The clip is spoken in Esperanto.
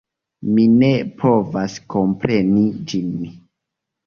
Mi ne povas kompreni ĝin!